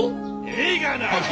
ええがな！